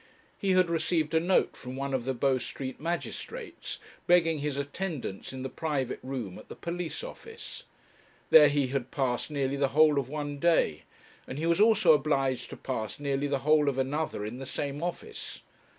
He had received a note from one of the Bow Street magistrates, begging his attendance in the private room at the police office. There he had passed nearly the whole of one day; and he was also obliged to pass nearly the whole of another in the same office.